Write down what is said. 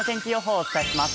お伝えします。